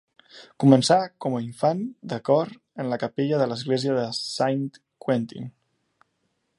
Començà com infant de cor en la capella de l'església de Saint-Quentin.